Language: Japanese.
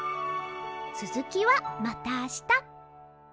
つづきはまたあした！